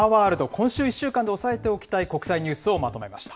今週１週間で押さえておきたい国際ニュースをまとめました。